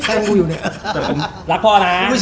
รักพ่อนะ